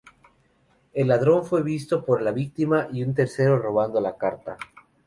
El ladrón fue visto por la víctima y un tercero, robando la carta.